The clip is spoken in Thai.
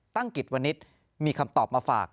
ตั้งกิจวณิศมีคำตอบมาฝาก